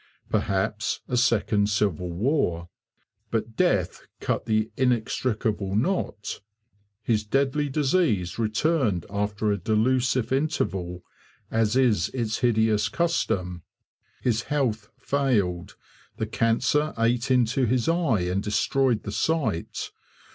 Perhaps a second civil war. But 'death cut the inextricable knot.' His deadly disease returned after a delusive interval, as is its hideous custom. His health failed; the cancer ate into his eye and destroyed the sight.